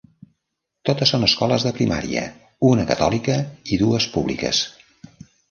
Totes són escoles de primària, una catòlica i dues públiques.